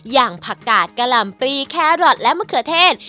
อย่างผักกาดกะหล่ำปรีแครอทและมะเขือเทศ